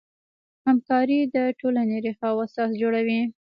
همکاري د ټولنې ریښه او اساس جوړوي.